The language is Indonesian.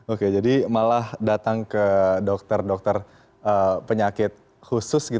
oke jadi malah datang ke dokter dokter penyakit khusus